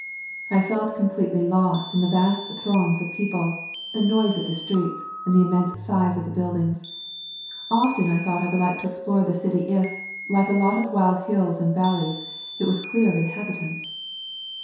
I felt completely lost in the vast throngs of people, the noise of the streets, and the immense size of the buildings. Often I thought I would like to explore the city if, like a lot of wild hills and valleys, it was clear of inhabitants.